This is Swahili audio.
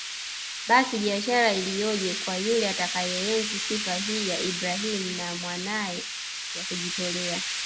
Basi bishara iliyoje kwa yule atakayeenzi sifa hii ya Ibrahim na Mwanaye ya kujitolea